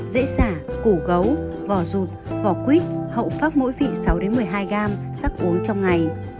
dễ xả củ gấu vỏ rụt vỏ quýt hậu phát mỗi vị sáu một mươi hai gram sắc uống trong ngày